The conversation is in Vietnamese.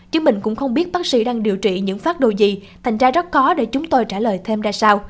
chứ mình cũng không biết bác sĩ đang điều trị những phát đồ gì thành ra rất khó để chúng tôi trả lời thêm ra sao